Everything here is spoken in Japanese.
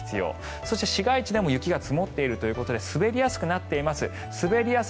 そして、市街地でも雪が積もっているということで滑りやすくなっています。